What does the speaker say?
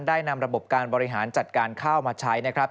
นำระบบการบริหารจัดการข้าวมาใช้นะครับ